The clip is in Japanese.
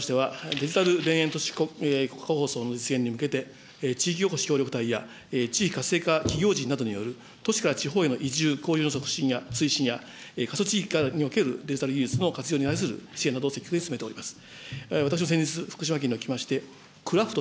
デジタル田園都市構想の実現に向けて、地域おこし協力隊や、地域活性化などによる都市から地方への移住、交流の促進や推進や過疎地域におけるデジタル技術の活用に対する支援などを進めております。